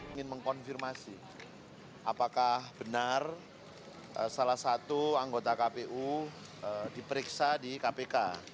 ingin mengkonfirmasi apakah benar salah satu anggota kpu diperiksa di kpk